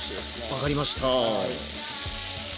分かりました。